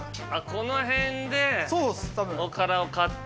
この辺でおからを買って。